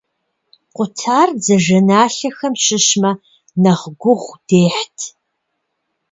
Къутар дзажэналъэхэм щыщмэ, нэхъ гугъу дехьт.